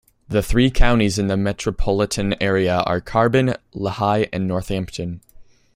The three counties in the Metropolitan area are Carbon, Lehigh and Northampton.